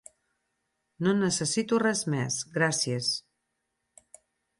No necessito res més, gràcies.